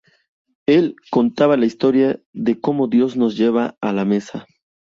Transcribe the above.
Él contaba la historia de como Dios nos lleva a la mesa.